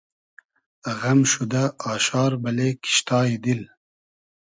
غئم شودۂ آشار بئلې کیشتای دیل